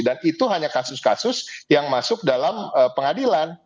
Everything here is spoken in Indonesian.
dan itu hanya kasus kasus yang masuk dalam pengadilan